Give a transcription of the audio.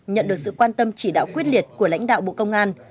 nhận được sự quan tâm chỉ đạo quyết liệt của lãnh đạo bộ công an